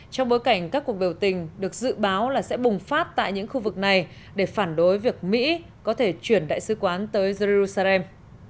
trong bối cảnh các cuộc biểu tình được dự báo là sẽ bùng phát tại những khu vực này để phản đối việc mỹ có thể chuyển đại sứ quán tới jerusalem